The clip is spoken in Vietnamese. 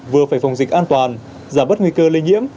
vừa phải phòng dịch an toàn giảm bất nguy cơ lây nhiễm